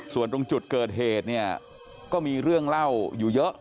ส่วนตรงจุดเกิดเหตุเนี่ยก็มีเรื่องเล่าอยู่เยอะ